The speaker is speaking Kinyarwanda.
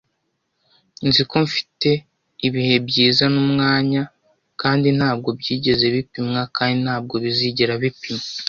Nzi ko mfite ibihe byiza n'umwanya, kandi ntabwo byigeze bipimwa kandi ntabwo bizigera bipimwa.